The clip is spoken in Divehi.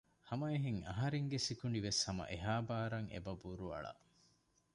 ހަމައެހެން އަހަރެންގެ ސިކުނޑިވެސް ހަމަ އެހާ ބާރަށް އެބަ ބުރުއަޅަ